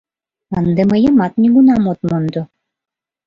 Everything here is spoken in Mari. Ынде мыйымат нигунам от мондо».